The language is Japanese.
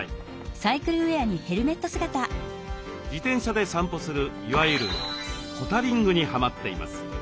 自転車で散歩するいわゆる「ポタリング」にハマっています。